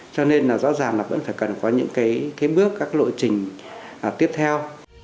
cho nên là rõ ràng là vẫn phải cần có những cái bước các lộ trình tiếp theo